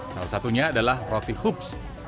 salah satunya adalah roti hoops